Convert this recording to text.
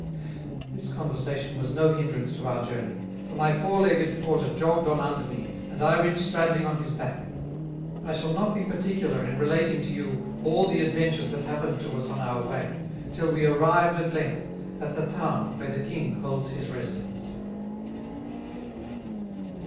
This Conversation was no hinderance to our Journey; for my Four legged Porter jogged on under me, and I rid stradling on his Back. I shall not be particular in relating to you all the Adventures that happened to us on our way, till we arrived at length at the Town where the King holds his Residence.